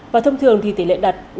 và thông thường thì tỷ lệ đặt